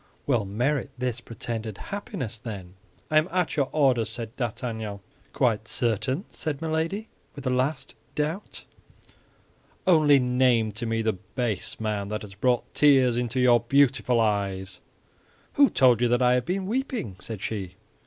"Well, merit this pretended happiness, then!" "I am at your orders," said D'Artagnan. "Quite certain?" said Milady, with a last doubt. "Only name to me the base man that has brought tears into your beautiful eyes!" "Who told you that I had been weeping?" said she.